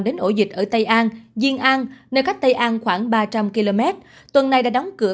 đến ổ dịch ở tây an duyên an nơi cách tây an khoảng ba trăm linh km tuần này đã đóng cửa